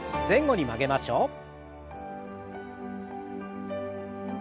前後に曲げましょう。